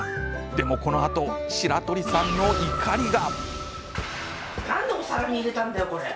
でもこのあと白鳥さんの怒りが。